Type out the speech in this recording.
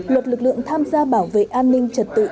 luật lực lượng tham gia bảo vệ an ninh trật tự